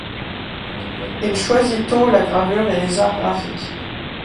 Il choisit tôt la gravure et les arts graphiques.